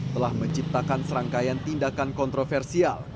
telah menciptakan serangkaian tindakan kontroversial